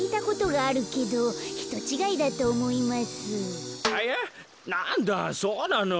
あやっなんだそうなの？